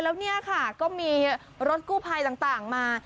แล้วเนี่ยค่ะก็มีรถกู้ภัยต่างมา